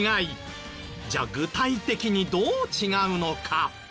じゃあ具体的にどう違うのか？